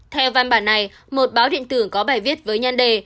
theo văn bản này một báo điện tử có bài viết với nhan đề